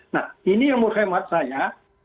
nah ini yang murah hemat saya